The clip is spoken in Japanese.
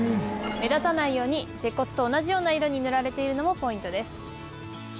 目立たないように鉄骨と同じような色に塗られているのもポイントです